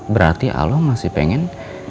berarti aloh masih pengen